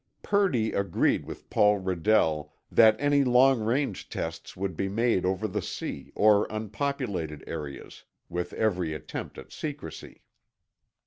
Purdy agreed with Paul Redell that any long range tests would be made over the sea or unpopulated areas, with every attempt at secrecy.